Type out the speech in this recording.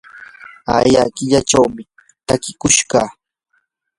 aya killachawmi takiykushun.